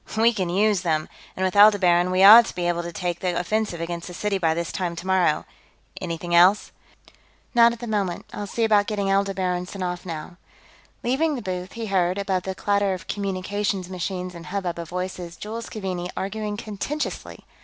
"We can use them! And with Aldebaran, we ought to be able to take the offensive against the city by this time tomorrow. Anything else?" "Not at the moment. I'll see about getting Aldebaran sent off, now." Leaving the booth, he heard, above the clatter of communications machines and hubbub of voices, Jules Keaveney arguing contentiously.